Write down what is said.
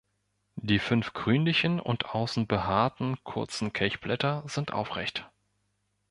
Die fünf grünlichen und außen behaarten, kurzen Kelchblätter sind aufrecht.